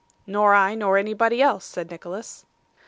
'Nor I, nor anybody else,' said Nicholas.